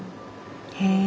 へえ！